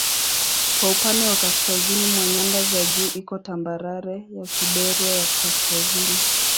Kwa upande wa kaskazini mwa nyanda za juu iko tambarare ya Siberia ya Kaskazini.